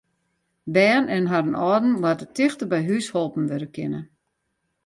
Bern en harren âlden moatte tichteby hús holpen wurde kinne.